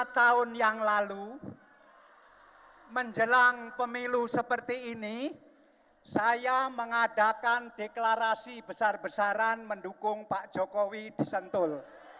dua tahun yang lalu menjelang pemilu seperti ini saya mengadakan deklarasi besar besaran mendukung pak jokowi di sentul